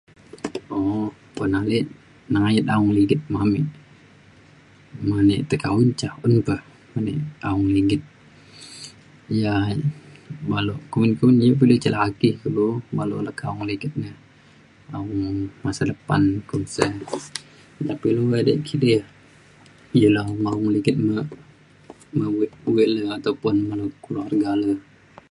um [unintelligible] nengayet maong ligit me me di teka un ca un pa un di aong ligit ja balau kumbin kumbin ji ca la’a ake kulo ban lu leka maong ligit le neng masa depan ku se napan ilu e kidi e [unintelligible] ligit me me wek le ataupun me keluarga le